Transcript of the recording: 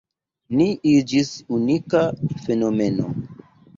Ni iĝis unika fenomeno.